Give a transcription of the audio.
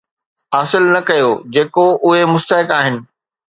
حاصل نه ڪيو جيڪو اهي مستحق آهن